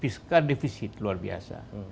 fiskal defisit luar biasa